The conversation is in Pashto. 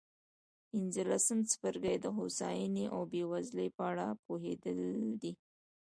پنځلسم څپرکی د هوساینې او بېوزلۍ په اړه پوهېدل دي.